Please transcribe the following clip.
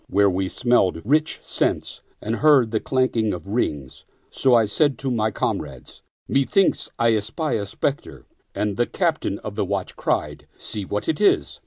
Here we smelled mighty rich scents and heard the clink of rings: so I said to my com rades, " Methinks I espy a specter "; and the Captain of the watch cried, " See what it is."